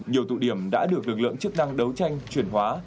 nhiều tụ điểm đã được lực lượng chức năng đấu tranh chuyển hóa